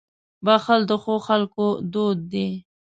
• بښل د ښو خلکو دود دی.